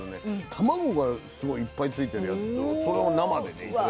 卵がすごいいっぱいついてるやつそれを生でね頂きましたけどね。